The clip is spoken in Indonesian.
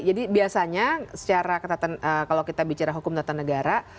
jadi biasanya kalau kita bicara hukum ketatanegara